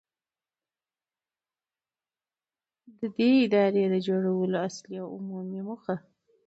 ، د دې ادارې د جوړولو اصلي او عمومي موخه.